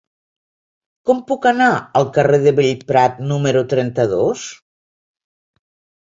Com puc anar al carrer de Bellprat número trenta-dos?